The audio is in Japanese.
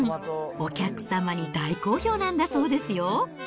お客様に大好評なんだそうですよ。